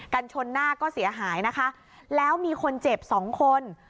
ชนหน้าก็เสียหายนะคะแล้วมีคนเจ็บสองคน